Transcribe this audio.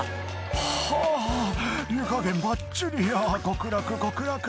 「はぁ湯加減ばっちりや極楽極楽」